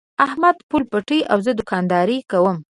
احمد پوله پټی او زه دوکانداري کوم.